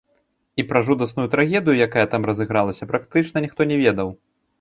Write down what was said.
І пра жудасную трагедыю, якая там разыгралася, практычна ніхто не ведаў.